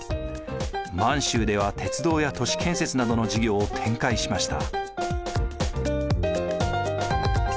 満州では鉄道や都市建設などの事業を展開しました。